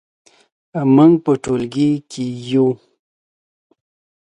موږ په صنف کې یو.